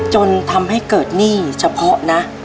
จนทำให้เกิดหนี้เฉพาะนะ